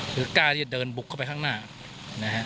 คือกล้าที่จะเดินบุกเข้าไปข้างหน้านะฮะ